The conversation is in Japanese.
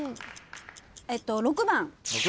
えっと６番。